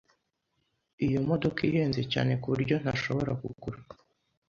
Iyo modoka ihenze cyane ku buryo ntashobora kugura.